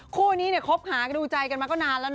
คู่นี้คบหาดูใจกันมาก็นานแล้วนะ